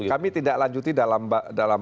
kami tidak lanjuti dalam